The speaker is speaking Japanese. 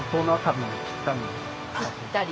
ぴったり。